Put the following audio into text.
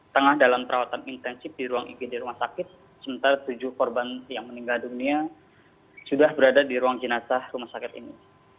tengah dalam perawatan intensif di ruang igd rumah sakit sementara tujuh korban yang meninggal dunia sudah berada di ruang jenazah rumah sakit ini